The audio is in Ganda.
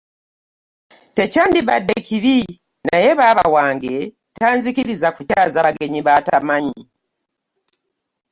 Tekyandibadde kibi naye baaba wange tanzikiriza kukyaza bagenyi baatamanyi.